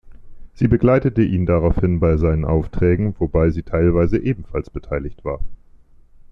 Sie begleitete ihn daraufhin bei seinen Aufträgen, wobei sie teilweise ebenfalls beteiligt war.